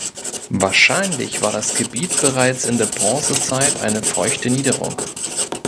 Wahrscheinlich war das Gebiet bereits in der Bronzezeit eine feuchte Niederung.